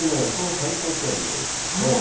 最高気温、見ていきましょう。